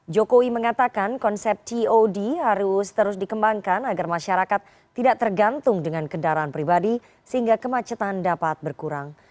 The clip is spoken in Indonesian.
jokowi mengatakan konsep tod harus terus dikembangkan agar masyarakat tidak tergantung dengan kendaraan pribadi sehingga kemacetan dapat berkurang